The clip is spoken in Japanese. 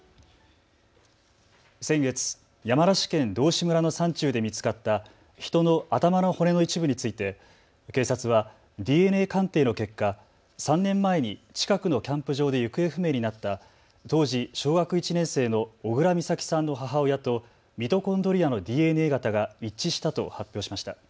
先月、山梨県道志村の山中で見つかった人の頭の骨の一部について警察はＤＮＡ鑑定の結果、３年前に近くのキャンプ場で行方不明になった当時小学１年生の小倉美咲さんの母親とミトコンドリアのＤＮＡ型が一致したと発表しました。